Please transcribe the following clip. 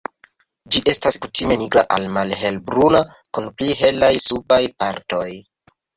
Ĝi estas kutime nigra al malhelbruna kun pli helaj subaj partoj.